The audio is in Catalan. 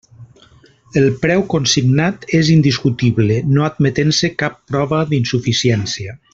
El preu consignat és indiscutible no admetent-se cap prova d'insuficiència.